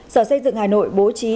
sở xây dựng hà nội bố trí